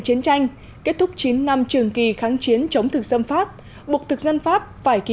chiến tranh kết thúc chín năm trường kỳ kháng chiến chống thực dân pháp buộc thực dân pháp phải ký